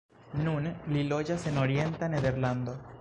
Nun li loĝas en orienta Nederlando.